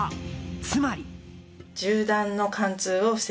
つまり。